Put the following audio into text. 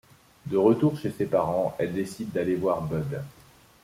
De retour chez ses parents, elle décide d'aller voir Bud.